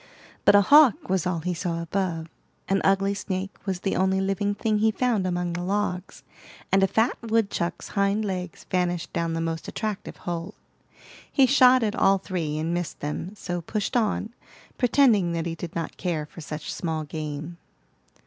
But a hawk was all he saw above, an ugly snake was the only living thing he found among the logs, and a fat woodchuck's hind legs vanished down the most attractive hole. He shot at all three and missed them, so pushed on, pretending that he did not care for such small game.